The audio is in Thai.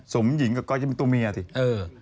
สมหญิงกับก่อหญ้ามีตัวเมียสิเออ